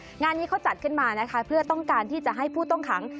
งานนี้เขาจัดขึ้นมานะคะเพื่อต้องการที่จะให้ผู้ต้องขัง